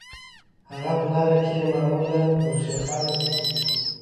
هغه په لاره کې معمولاً پر شیخانو پیښیږي.